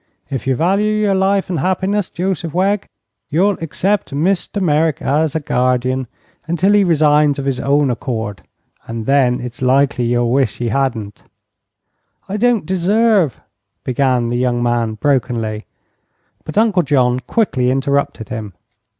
If you value your life and happiness, Joseph Wegg, you'll accept Mr. Merrick as a guardian until he resigns of his own accord, and then it's likely you'll wish he hadn't." "I don't deserve " began the young man, brokenly; but Uncle John quickly interrupted him.